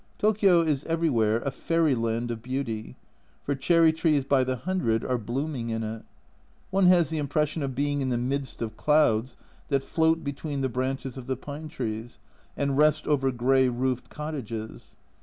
Tokio is everywhere a fairy land of beauty, for cherry trees by the hundred are blooming in it. One has the impres sion of being in the midst of clouds that float between the branches of the pine trees, and rest over grey roofed cottages.